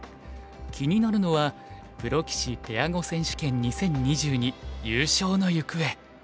気になるのはプロ棋士ペア碁選手権２０２２優勝の行方。